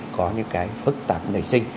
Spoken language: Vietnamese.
có những cái phức tạp nền sinh